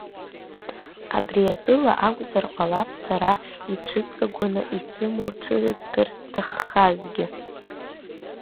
Абри атәыла акәзар ҟалап сара ицәыҵагәаны исымоу цәырызгарц зҭаххазгьы.